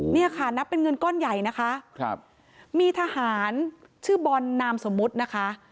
เนี่ยค่ะนับเป็นเงินก้อนใหญ่นะคะครับมีทหารชื่อบอลนามสมมุตินะคะ